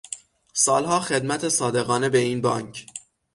سالها خدمت صادقانه به این بانک